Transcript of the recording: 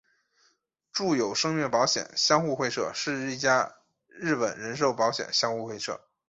住友生命保险相互会社是一家日本人寿保险相互会社。